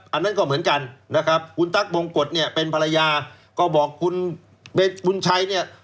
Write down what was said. อันนั้นก็เหมือนกันนะครับคุณตั๊กบงกฎเนี่ยเป็นภรรยาก็บอกคุณบุญชัยเนี่ย